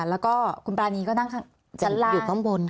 แล้วก็คุณปานีก็นั่งชั้นล่าง